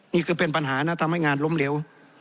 นี่คือเป็นปัญหานะทำให้งานล้มเหลว